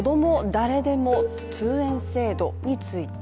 誰でも通園制度について。